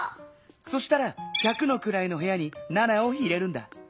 そしたら百のくらいのへやに７を入れるんだ。